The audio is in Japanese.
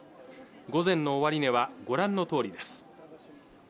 午前の終値はご覧のとおりです